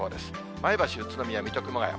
前橋、宇都宮、水戸、熊谷。